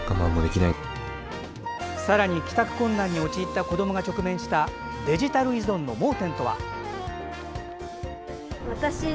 さらに、帰宅困難に陥った子どもが直面したデジタル依存の盲点とは？